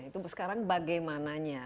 itu sekarang bagaimananya